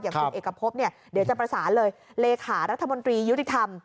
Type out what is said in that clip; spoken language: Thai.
คุณเอกพบเนี่ยเดี๋ยวจะประสานเลยเลขารัฐมนตรียุติธรรม